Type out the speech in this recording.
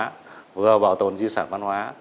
vừa bảo tồn di sản văn hóa vừa bảo tồn di sản văn hóa